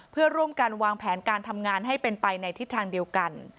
เพื่อร่วมกันวางแผนการทำงานให้เป็นไปในทิศทางเดียวกัน